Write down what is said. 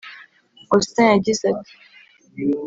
Austin yagize ati